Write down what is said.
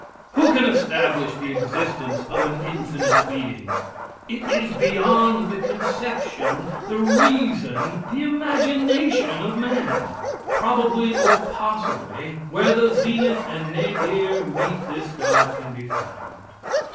Who can establish the existence of an infinite being? It is beyond the conception the reason the imagination of man probably or possibly where the zenith and nadir meet this God can be found.